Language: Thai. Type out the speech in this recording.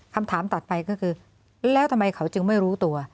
คำถามต่อไปก็คือแล้วทำไมเขาจึงไม่รู้ตัว